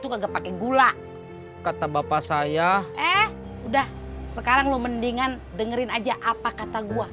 kagak pakai gula kata bapak saya eh udah sekarang lo mendingan dengerin aja apa kata gua